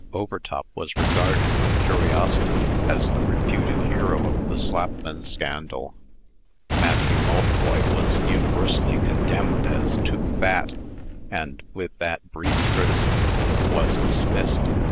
Overtop was regarded with curiosity, as the reputed hero of the Slapman scandal. Matthew Maltboy was universally condemned as too fat, and, with that brief criticism, was dismissed.